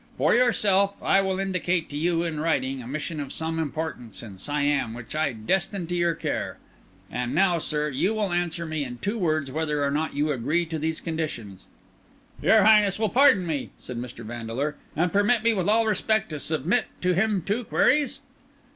For yourself, I will indicate to you in writing a mission of some importance in Siam which I destine to your care. And now, sir, you will answer me in two words whether or not you agree to these conditions." "Your Highness will pardon me," said Mr. Vandeleur, "and permit me, with all respect, to submit to him two queries?"